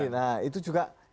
nah itu juga kita sampaikan